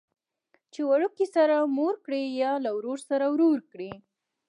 چې وړوکي سره مور کړي یا له ورور سره ورور کړي.